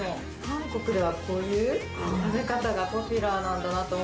韓国ではこういう食べ方がポピュラーなんだなと。